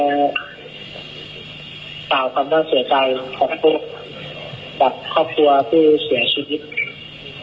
กล่าวความน่าเสียใจของพวกกับครอบครัวผู้เสียชีวิต